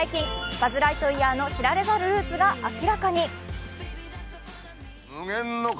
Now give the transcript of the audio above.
バズ・ライトイヤーの知られざるルーツが明らかに。